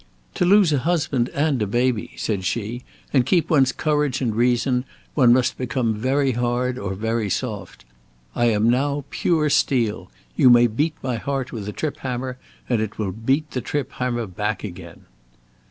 "To lose a husband and a baby," said she, "and keep one's courage and reason, one must become very hard or very soft. I am now pure steel. You may beat my heart with a trip hammer and it will beat the trip hammer back again."